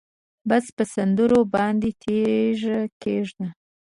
بس په سندرو باندې تیږه کېږده